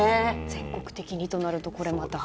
全国的にとなるとこれまた。